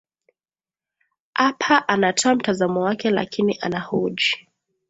hapa anatoa mtazamo wake lakini anahoji